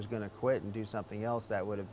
saya akan melakukan sesuatu yang tidak berbahaya